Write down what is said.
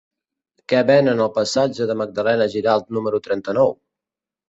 Què venen al passatge de Magdalena Giralt número trenta-nou?